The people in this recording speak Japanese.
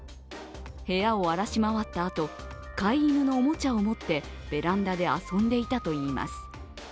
部屋を荒らし回ったあと、飼い犬のおもちゃを持ってベランダで遊んでいたといいます。